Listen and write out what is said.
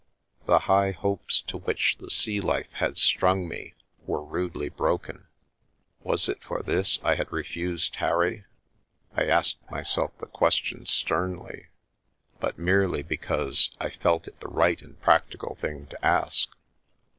The high hopes to which the sea life had strung me were rudely broken — was it for this I had refused Harry? I asked myself the question sternly, but merely because I felt it the right and practical thing to ask.